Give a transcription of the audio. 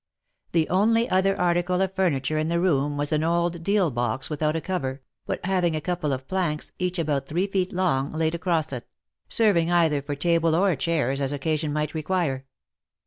The only other article of furniture in the room was an old deal box without a cover, but having a couple of planks, each about three feet long, laid across it ; serving either for table or chairs as occasion might require.